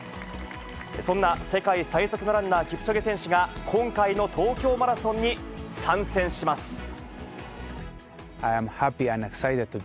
そんな世界最速のランナー、キプチョゲ選手が、今回の東京マラソンに参戦します。